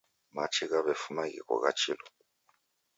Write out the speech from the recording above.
Machi ghaw'efuma ghiko gha chilu